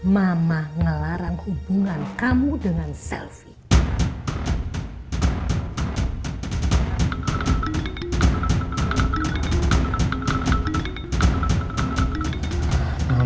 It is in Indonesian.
mama ngelarang hubungan kamu dengan selfie